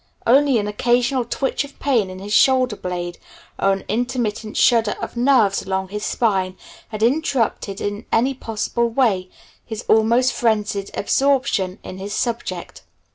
Only an occasional twitch of pain in his shoulder blade, or an intermittent shudder of nerves along his spine had interrupted in any possible way his almost frenzied absorption in his subject.